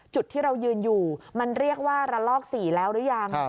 จุดที่เรายืนอยู่มันเรียกว่าระลอก๔แล้วหรือยัง